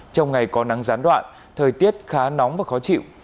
trong ngày có nắng gián đoạn thời tiết khá nóng và khó chịu